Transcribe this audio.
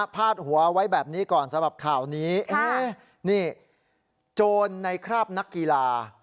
พาดหัวไว้แบบนี้ก่อนสำหรับข่าวนี้นี่โจรในคราบนักกีฬา